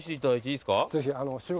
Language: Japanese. いいですか？